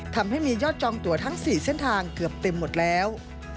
ทำให้มียอดจองตัวทั้ง๔เส้นทางเกือบเต็มหมดแล้ว